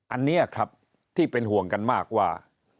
อันนี้ครับที่เป็นห่วงกันมากว่า